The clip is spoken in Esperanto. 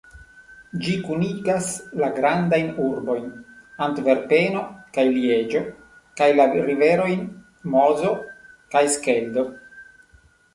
Ĝi kunigas la grandajn urbojn Antverpeno kaj Lieĝo kaj la riverojn Mozo kaj Skeldo.